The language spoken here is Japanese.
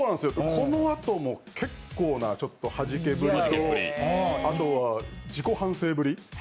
このあとも結構なはじけぶりで、あとは自己反省ぶり。